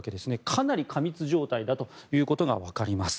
かなり過密状態だということが分かります。